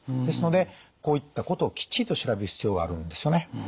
ですのでこういったことをきっちりと調べる必要があるんですよね。